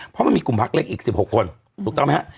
เพราะมันมีกลุ่มพักเล็กอีก๑๖คนถูกต้องไหมฮะ